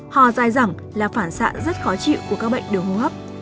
hò dài dẳng là phản xạ rất khó chịu của các bệnh đường hô hấp